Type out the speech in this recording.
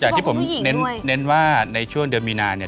อย่างที่ผมเน้นว่าในช่วงเดือนมีนาเนี่ย